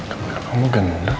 kamu bilang kamu gendut